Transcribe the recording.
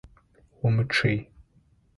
Умычъый!